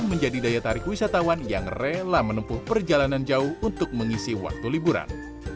menjadi daya tarik wisatawan yang rela menempuh perjalanan jauh untuk mengisi waktu liburan